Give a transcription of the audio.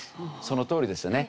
そのとおりですね。